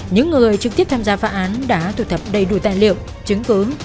những người trực tiếp tham gia phá án đã thu thập đầy đủ tài liệu chứng cứ